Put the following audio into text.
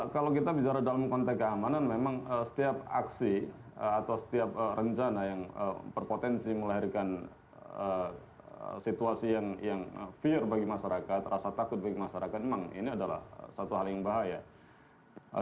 kalau kita bicara dalam konteks keamanan memang setiap aksi atau setiap rencana yang berpotensi melahirkan situasi yang pure bagi masyarakat rasa takut bagi masyarakat memang ini adalah satu hal yang bahaya